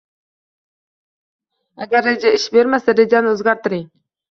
Agar reja ish bermasa, rejani o’zgartiring.